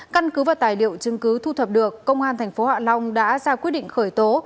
căn cứ và tài liệu chứng cứ thu thập được công an tp hạ long đã ra quyết định khởi tố